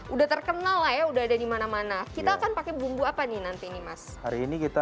udah terkenal lah ya udah ada dimana mana kita akan pakai bumbu apa nih nanti nih mas hari ini kita